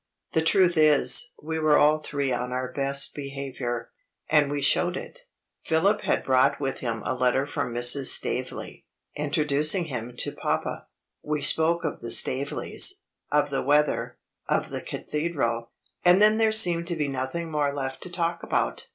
The truth is, we were all three on our best behavior, and we showed it. Philip had brought with him a letter from Mrs. Staveley, introducing him to papa. We spoke of the Staveleys, of the weather, of the Cathedral and then there seemed to be nothing more left to talk about.